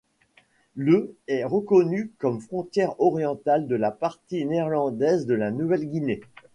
Le est reconnue comme frontière orientale de la partie néerlandaise de la Nouvelle-Guinée.